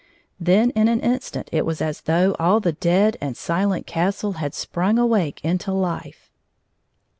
Then in an instant it was as though all the dead and silent castle had sprung awake into life.